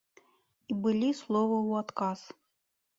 І былі словы ў адказ.